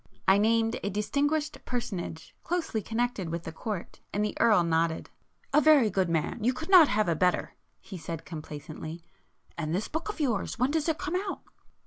I named a distinguished personage, closely connected with the Court, and the Earl nodded. "A very good man,—you could not have a better"—he said complacently—"And this book of yours,—when does it come out?"